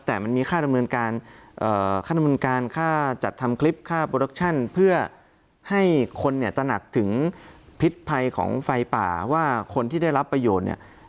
แต่มันมีค่าดำเนินการค่าน้ำมันการค่าจัดทำคลิปค่าโปรดักชั่นเพื่อให้คนเนี่ยตระหนักถึงพิษภัยของไฟป่าว่าคนที่ได้รับประโยชน์เนี่ย